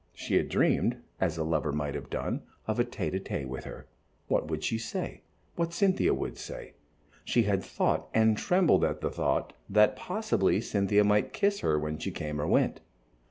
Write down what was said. She had dreamed, as a lover might have done, of a tête à tête with her, what she would say, what Cynthia would say. She had thought, and trembled at the thought, that possibly Cynthia might kiss her when she came or went.